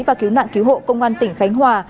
và cứu nạn cứu hộ công an tỉnh khánh hòa